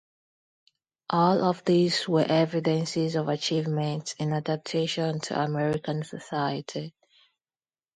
All of these were evidences of achievements in adaptation to American society.